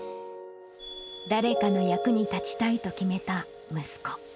誰かの役に立ちたいと決めた息子。